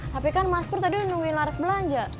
tapi kan mas pur tadi nemuin laras belanja